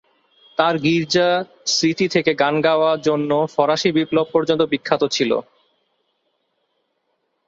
তার গীর্জা স্মৃতি থেকে গান গাওয়া জন্য ফরাসি বিপ্লব পর্যন্ত বিখ্যাত ছিল।